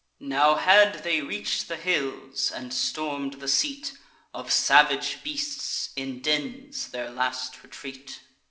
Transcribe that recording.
Now had they reach'd the hills, and storm'd the seat Of salvage beasts, in dens, their last retreat.